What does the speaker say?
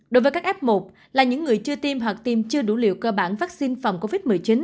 đối với các f một là những người chưa tiêm hoặc tiêm chưa đủ liều cơ bản vaccine phòng covid một mươi chín